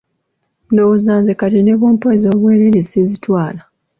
Ndowooza nze kati n'obwompa ez'obwerere sizitwala.